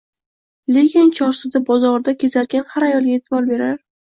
Lekin Chorsuda, bozorda kezarkan har ayolga e'tibor berar